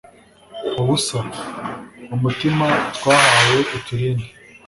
ubusa, umutima twahawe uturinde